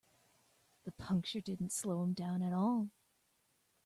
The puncture didn't slow him down at all.